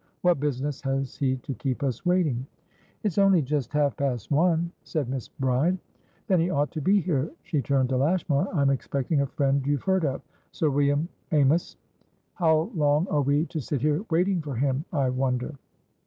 What business has he to keep us waiting?" "It's only just half past one," said Miss Bride. "Then he ought to be here." She turned to Lashmar. "I'm expecting a friend you've heard ofSir William Amys. How long are we to sit here waiting for him, I wonder?"